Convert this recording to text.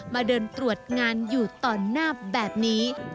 มาเดินตรวจงานอยู่ตอนหน้าแบบนี้